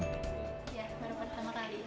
ya baru pertama kali